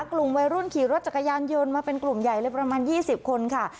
กลุ่มวัยรุ่นขี่รถจักรยานยนต์มาเป็นกลุ่มใหญ่เลยประมาณ๒๐คนค่ะ